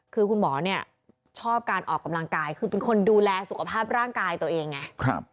คือคุณหมอเนี่ยชอบการออกกำลังกายคือเป็นคนดูแลสุขภาพร่างกายตัวเองไง